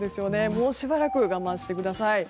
もうしばらく我慢してください。